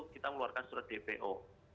kita mengeluarkan surat dpo